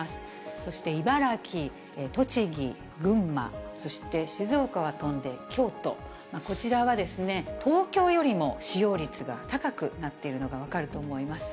そして茨城、栃木、群馬、そして静岡は飛んで京都、こちらは東京よりも使用率が高くなっているのが分かると思います。